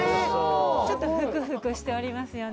ちょっとふくふくしておりますよね。